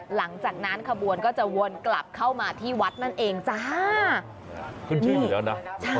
หลังจากนั้นขบวนก็จะวนกลับเข้ามาที่วัดนั่นเองจ้า